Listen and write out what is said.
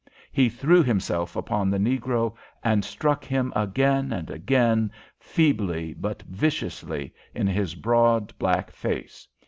He threw himself upon the negro, and struck him again and again, feebly but viciously, in his broad, black face.